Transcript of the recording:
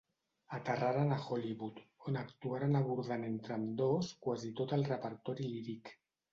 Aterraren a Hollywood, on actuaren abordant entre ambdós quasi tot el repertori líric.